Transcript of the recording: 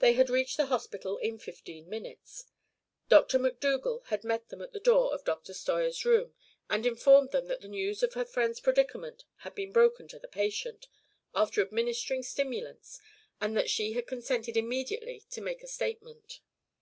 They had reached the hospital in fifteen minutes. Dr. MacDougal had met them at the door of Dr. Steuer's room and informed them that the news of her friend's predicament had been broken to the patient, after administering stimulants, and that she had consented immediately to make a statement.